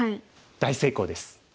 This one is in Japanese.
大成功です。